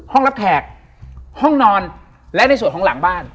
รับแขกห้องนอนและในส่วนของหลังบ้าน